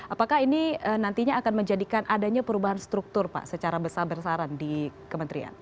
apakah ini nantinya akan menjadikan adanya perubahan struktur pak secara besar besaran di kementerian